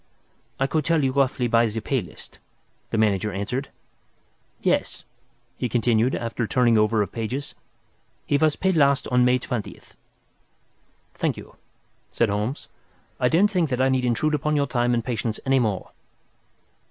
"I could tell you roughly by the pay list," the manager answered. "Yes," he continued, after some turning over of pages, "he was paid last on May 20th." "Thank you," said Holmes. "I don't think that I need intrude upon your time and patience any more."